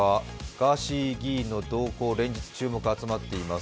ガーシー議員の動向、連日、注目が集まっています。